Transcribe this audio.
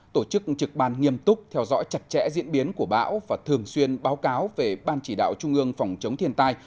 tổ chức trực ban nghiêm túc theo dõi chặt chẽ diễn biến của bão và thường xuyên báo cáo về ban chỉ đạo trung ương phòng chống thiên tai